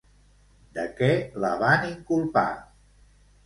De què la van inculpar?